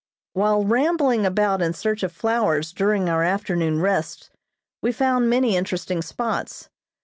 While rambling about in search of flowers during our afternoon rests, we found many interesting spots.